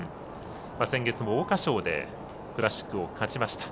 先月も桜花賞でクラシックを勝ちました。